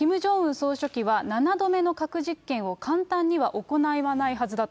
総書記は、７度目の核実験を簡単には行わないはずだと。